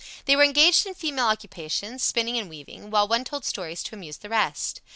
They were engaged in female occupations, spinning and weaving, while one told stories to amuse the rest.